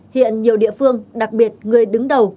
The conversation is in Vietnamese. hiện nhiều địa phương đặc biệt người đứng đầu